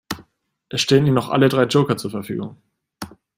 Es stehen Ihnen noch alle drei Joker zur Verfügung.